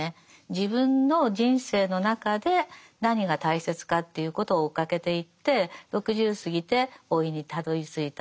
自分の人生の中で何が大切かということを追っかけていって６０過ぎて老いにたどりついた。